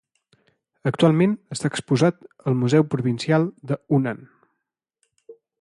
Actualment està exposat al museu provincial de Hunan.